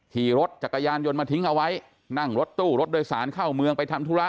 ขี่รถจักรยานยนต์มาทิ้งเอาไว้นั่งรถตู้รถโดยสารเข้าเมืองไปทำธุระ